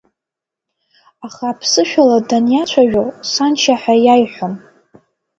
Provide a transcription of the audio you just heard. Аха аԥсышәала даниацәажәо Саншьа ҳәа иаиҳәон.